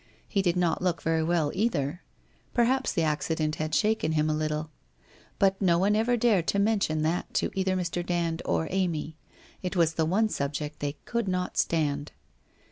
He did not look very well either. Perhaps the accident had shaken him a little? But no one ever dared to mention that to either Mr. Dand or Amy. It was the one subject they could not stand.